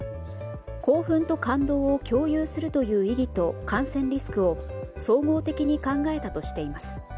興奮と感動を共有する意義と感染リスクを総合的に考えたとしています。